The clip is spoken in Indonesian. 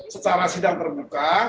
secara sidang terbuka